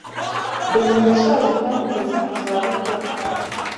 dore ndashaje kandi ngeze mu zabukuru